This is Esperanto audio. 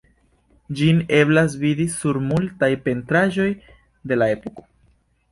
Ĝin eblas vidi sur multaj pentraĵoj de la epoko.